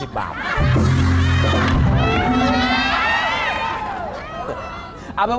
อีกนิดนึง